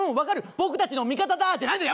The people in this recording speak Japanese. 僕たちの味方だ」じゃないんだよ。